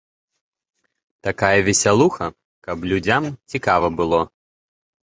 Такая весялуха, каб людзям цікава было.